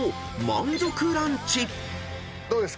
どうですか？